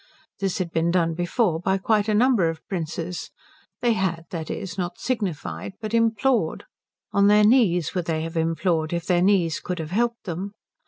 This had been done before by quite a number of princes. They had, that is, not signified, but implored. On their knees would they have implored if their knees could have helped them.